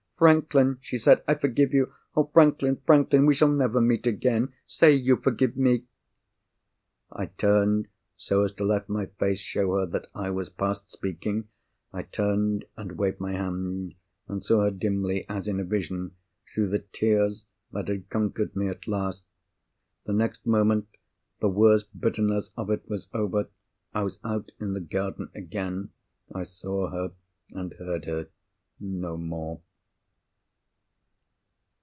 "Franklin!" she said, "I forgive you! Oh, Franklin, Franklin! we shall never meet again. Say you forgive me!" I turned, so as to let my face show her that I was past speaking—I turned, and waved my hand, and saw her dimly, as in a vision, through the tears that had conquered me at last. The next moment, the worst bitterness of it was over. I was out in the garden again. I saw her, and heard her, no more.